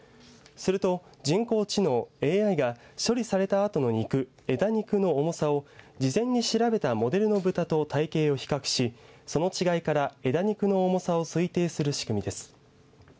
すると、人工知能＝ＡＩが処理されたあとの枝肉の重さを事前に調べたモデルの豚と体型を比較しその違いから枝肉の重さを推定する仕組みです。